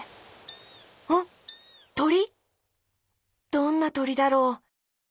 どんなとりだろう？